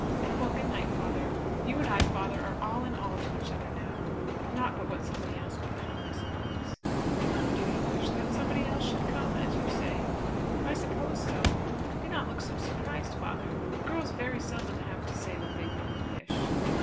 Well; good night, father. You and I, father, are all in all to each other now. Not but what somebody else will come, I suppose." "Do you wish that somebody else should come, as you say?" "I suppose so. Do not look so surprised, father. Girls very seldom have to say what they really wish.